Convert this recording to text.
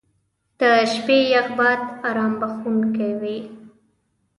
• د شپې یخ باد ارام بخښونکی وي.